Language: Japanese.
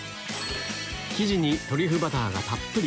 生地にトリュフバターがたっぷり！